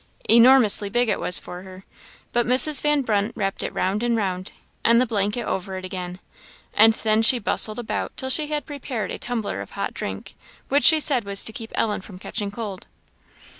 Enormously big it was for her, but Mrs. Van Brunt wrapped it round and round, and the blanket over it again, and then she bustled about till she had prepared a tumbler of hot drink, which she said was to keep Ellen from catching cold.